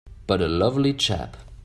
But a lovely chap!